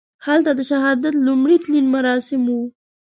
هلته د شهادت لومړي تلین مراسم وو.